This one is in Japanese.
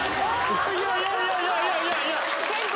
いやいやいやいや。